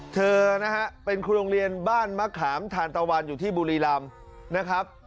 เธอนะฮะเป็นครูโรงเรียนบ้านมะขามทานตะวันอยู่ที่บุรีรำนะครับ